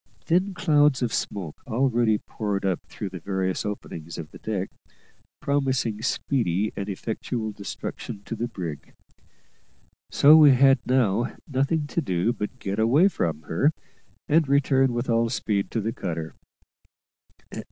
Thin clouds of smoke already poured up through the various openings of the deck, promising speedy and effectual destruction to the brig; so we had now nothing to do but get away from her, and return with all speed to the cutter.